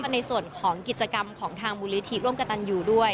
ในส่วนของกิจกรรมของทางมูลนิธิร่วมกับตันยูด้วย